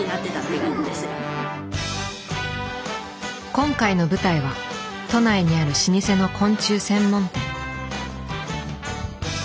今回の舞台は都内にある老舗の昆虫専門店。